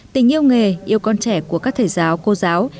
tình yêu nghề yêu con trẻ của các thầy giáo cô giáo